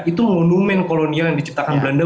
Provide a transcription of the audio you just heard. itu monumen kolonial yang diciptakan belanda